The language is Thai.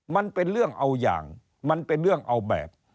มันเป็นเรื่องเอาอย่างมันเป็นเรื่องเอาแบบ